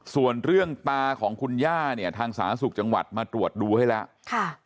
ส่วนเรื่องตาของคุณย่าเนี่ยทางสาธารณสุขจังหวัดมาตรวจดูให้แล้ว